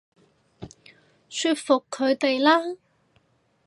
說服佢哋啦